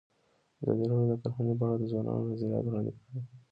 ازادي راډیو د کرهنه په اړه د ځوانانو نظریات وړاندې کړي.